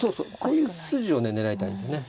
こういう筋をね狙いたいですよね。